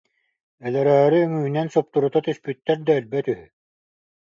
Өлөрөөрү үҥүүнэн суптурута түспүттэр да, өлбөт үһү